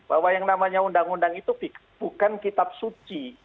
bahwa yang namanya undang undang itu bukan kitab suci